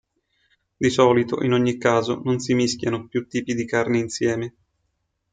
Di solito, in ogni caso, non si mischiano più tipi di carne insieme.